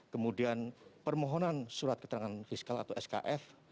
kemudian permohonan surat keterangan fiskal atau skf